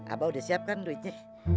abah udah siapkan duitnya